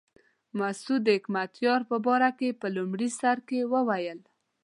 مسعود د حکمتیار په باره کې په لومړي سر کې وویل.